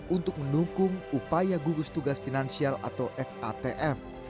untuk mendukung upaya gugus tugas finansial atau fatf